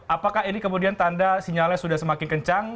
apakah ini kemudian tanda sinyalnya sudah semakin kencang